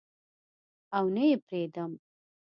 او نه یې پریدم